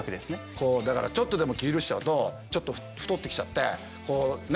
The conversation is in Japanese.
こうだからちょっとでも気許しちゃうとちょっと太ってきちゃってこうね